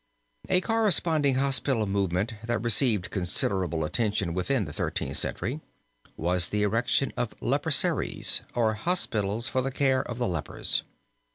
A corresponding hospital movement that received considerable attention within the Thirteenth Century was the erection of Leproseries or hospitals for the care of lepers.